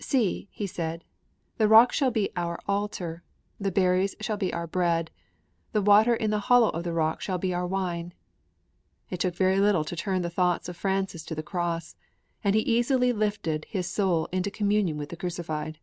'See!' he said, 'the rock shall be our altar; the berries shall be our bread; the water in the hollow of the rock shall be our wine!' It took very little to turn the thoughts of Francis to the Cross; he easily lifted his soul into communion with the Crucified.